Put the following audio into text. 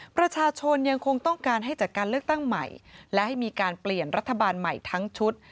ประชาชนยังคงต้องการให้จัดการเลือกตั้งใหม่และให้มีการเปลี่ยนรัฐบาลใหม่ทั้งชุด